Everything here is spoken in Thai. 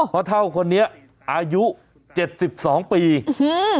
เท่าคนนี้อายุเจ็ดสิบสองปีอืม